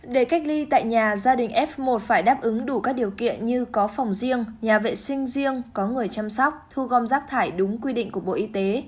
để cách ly tại nhà gia đình f một phải đáp ứng đủ các điều kiện như có phòng riêng nhà vệ sinh riêng có người chăm sóc thu gom rác thải đúng quy định của bộ y tế